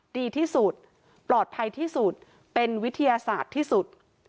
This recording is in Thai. ดีที่สุดปลอดภัยที่สุดเป็นวิทยาศาสตร์ที่สุด